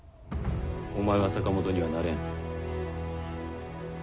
お前は坂本にはなれん。